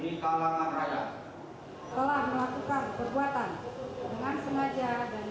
denasarkan alat hukum agama ras antara lainnya